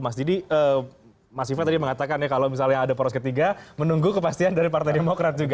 mas didi mas viva tadi mengatakan ya kalau misalnya ada poros ketiga menunggu kepastian dari partai demokrat juga